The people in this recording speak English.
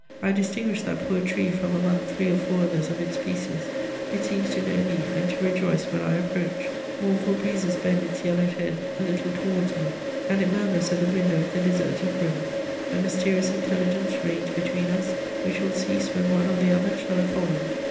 I distinguish that poor tree from among three or four others of its species; it seems to know me and to rejoice when I approach; mournful breezes bend its yellowed head a little towards me, and it murmurs at the window of the deserted room: a mysterious intelligence reigns between us, which will cease when one or the other shall have fallen.